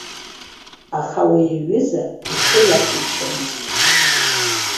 Аха уи аҩыза ихы иаҭәеишьомызт.